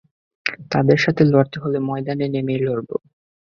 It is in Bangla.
তাদের সাথে লড়তে হলে ময়দানে নেমেই লড়ব।